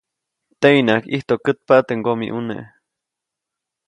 Teʼyinaʼajk ʼijtojkätpa teʼ ŋgomiʼuneʼ.